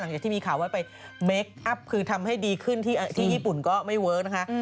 หลังจากที่มีข่าวว่าไปเมคอัพคือทำให้ดีขึ้นที่ญี่ปุ่นก็ไม่เวิร์คนะคะ